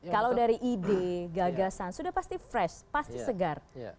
kalau dari ide gagasan sudah pasti fresh pasti segar